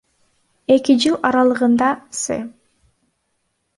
Эки жыл аралыгында С.